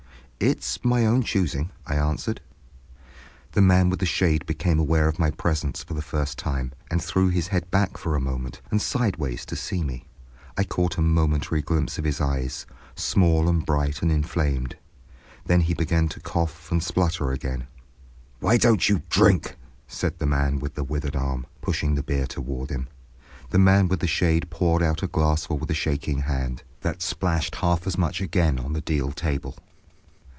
"It's my own choosing," I answered. The man with the shade became aware of my presence for the first time, and threw his head back for a moment, and sidewise, to see me. I caught a momentary glimpse of his eyes, small and bright and inflamed. Then he began to cough and splutter again. "Why don't you drink?" said the man with the withered arm, pushing the beer toward him. The man with the shade poured out a glassful with a shaking hand, that splashed half as much again on the deal table.